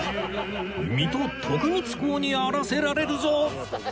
水戸徳光公にあらせられるぞ！